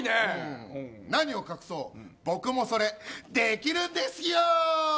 何を隠そう、僕もそれできるんですよ。